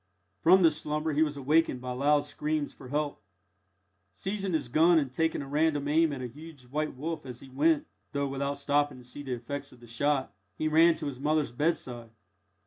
From this slumber he was awakened by loud screams for help. Seizing his gun, and taking a random aim at a huge white wolf as he went (though without stopping to see the effects of the shot), he ran to his mother's bedside.